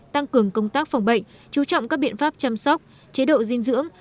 tăng cường công tác phòng bệnh chú trọng các biện pháp chăm sóc chế độ dinh dưỡng